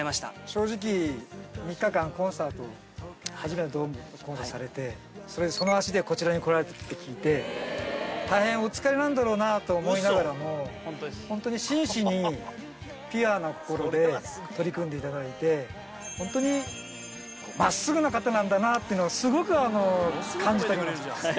正直、３日間、コンサートされて、その足でこちらに来られたって聞いて、大変お疲れなんだろうなと思いながらも、本当に真摯に、ピュアな心で取り組んでいただいて、本当にまっすぐな方なんだなぁっていうのを、すごく感じました。